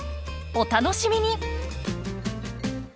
お楽しみに！